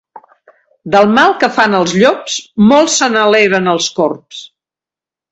Del mal que fan els llops, molt se n'alegren els corbs.